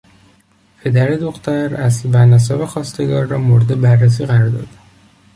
پدر دختر اصل و نسب خواستگار را مورد بررسی قرار داد.